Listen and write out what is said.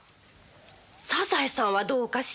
「サザエさん」はどうかしら？